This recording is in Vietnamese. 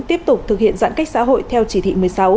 tiếp tục thực hiện giãn cách xã hội theo chỉ thị một mươi sáu